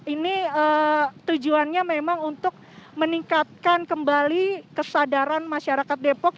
ini tujuannya memang untuk meningkatkan kembali kesadaran masyarakat depok